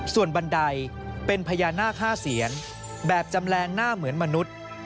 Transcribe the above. ส่วนบันไดเป็นพญานาค๕เซียนแบบจำแรงหน้าเหมือนมนุษย์